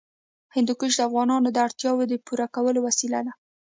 هندوکش د افغانانو د اړتیاوو د پوره کولو وسیله ده.